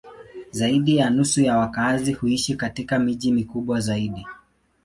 Zaidi ya nusu ya wakazi huishi katika miji mikubwa zaidi.